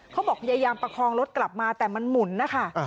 พยายามประคองรถกลับมาแต่มันหมุนนะคะ